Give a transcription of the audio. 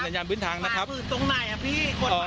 กฎหมายข้อไหนพี่